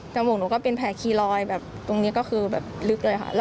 มูกหนูก็เป็นแผลคีรอยแบบตรงนี้ก็คือแบบลึกเลยค่ะ